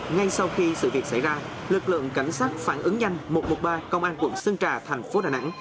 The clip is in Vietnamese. ngay sau khi sự việc xảy ra lực lượng cảnh sát phản ứng nhanh một trăm một mươi ba công an quận sơn trà thành phố đà nẵng